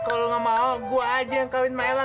kalau lu gak mau gua aja yang kawin sama ella